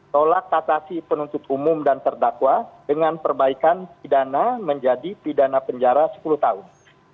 tolak kasasi penuntut umum dan terdakwa dengan perbaikan pidana menjadi pidana penjara sepuluh tahun